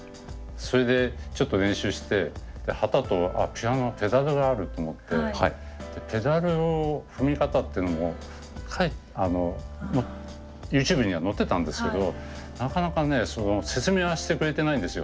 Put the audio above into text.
それでちょっと練習してはたとピアノはペダルがあると思ってでペダルを踏み方っていうのもＹｏｕＴｕｂｅにはのってたんですけどなかなかねその説明はしてくれてないんですよ